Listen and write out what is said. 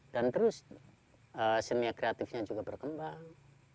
dan terus seni kreatifnya juga berkembang